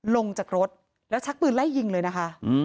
ลงจากรถแล้วชักปืนไล่ยิงเลยนะคะ